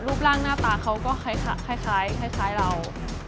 รูปร่างหน้าตาเขาก็คล้ายเรา